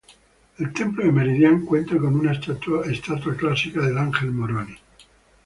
El templo de Meridian cuenta con una estatua clásica del ángel Moroni.